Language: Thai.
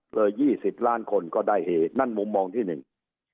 เลย๒๐ล้านคนก็ได้เฮนั่นมุมมองที่หนึ่ง